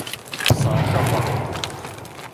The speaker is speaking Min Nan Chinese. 三角肉